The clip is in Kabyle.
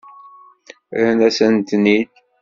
Rran-asen-ten-id.